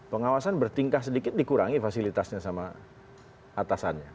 pengawasan bertingkah sedikit dikurangi fasilitasnya sama atasannya